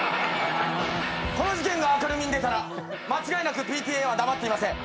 この事件が明るみに出たら間違いなくＰＴＡは黙っていません。